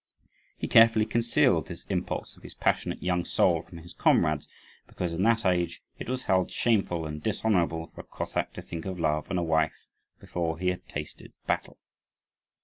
He carefully concealed this impulse of his passionate young soul from his comrades, because in that age it was held shameful and dishonourable for a Cossack to think of love and a wife before he had tasted battle.